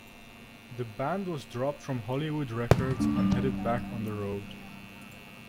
The band was dropped from Hollywood Records and headed back on the road.